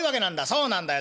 「そうなんだよ。